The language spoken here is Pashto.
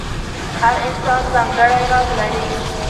هر انسان ځانګړی غږ لري.